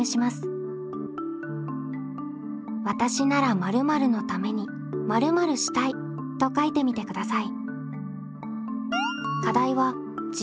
わたしなら〇〇のために〇〇したいと書いてみてください。